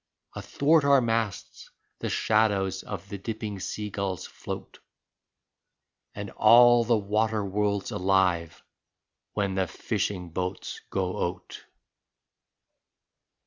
Athwart our masts the shadows of the dipping sea gulls float. And all the water world's alive when the fishing boats go out.